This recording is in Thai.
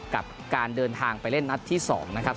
กับการเดินทางไปเล่นนัดที่๒นะครับ